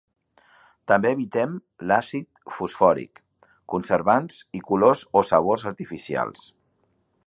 També eviten l'àcid fosfòric, conservants, i colors o sabors artificials.